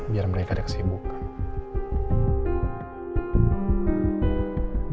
biar mereka ada kesibukan